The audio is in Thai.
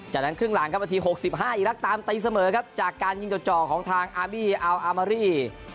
จากนั้นครึ่งหลังครับนาที๖๕อีรักษ์ตามตีเสมอครับจากการยิงจ่อของทางอาร์บี้อัลอามารี